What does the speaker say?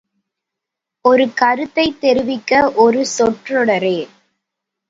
ஒரு கருத்தைத் தெரிவிக்க ஒரு சொற்றொடரே